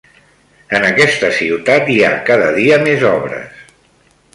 En aquesta ciutat hi ha cada dia més obres.